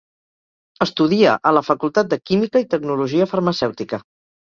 Estudia a la Facultat de Química i Tecnologia Farmacèutica.